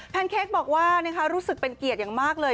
เค้กบอกว่ารู้สึกเป็นเกียรติอย่างมากเลย